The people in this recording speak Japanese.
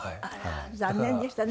あら残念でしたね。